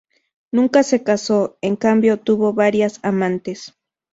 Nunca se casó, en cambio tuvo varias amantes.